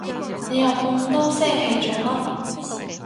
你又咁多聲氣做乜？